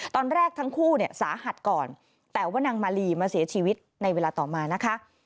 ตอนแรกทั้งคู่เนี่ยสาหัสก่อนแต่ว่านางมาลีมาเสียชีวิตในเวลาต่อมานะคะ